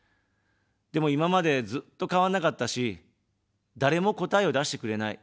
でも、今まで、ずっと変わんなかったし、誰も答えを出してくれない。